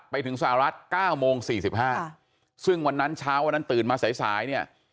ไปถึงสหรัฐ๙โมง๔๕ซึ่งวันนั้นเช้าวันนั้นตื่นมาสายสายเนี่ย